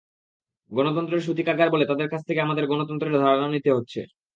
গণতন্ত্রের সূতিকাগার বলে তাদের কাছ থেকে আমাদের গণতন্ত্রের ধারণা নিতে হচ্ছে।